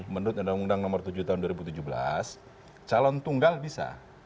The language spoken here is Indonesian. menurut undang undang nomor tujuh tahun dua ribu tujuh belas calon tunggal bisa